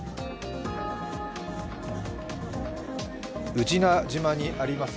宇品島にあります